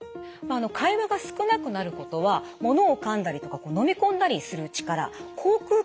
会話が少なくなることはものをかんだりとか飲み込んだりする力口くう